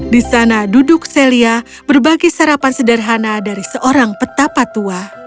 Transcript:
di sana duduk celia berbagi sarapan sederhana dari seorang petapa tua